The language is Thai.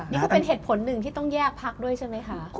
นี่ก็เป็นเหตุผลหนึ่งที่ต้องแยกพักด้วยใช่ไหมคะ